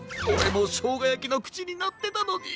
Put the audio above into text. もうしょうがやきのくちになってたのに。